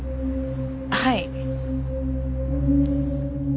はい。